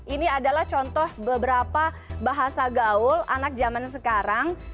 ini adalah contoh beberapa bahasa gaul anak zaman sekarang